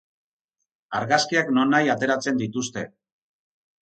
Argazkiak nonahi ateratzen dituzte.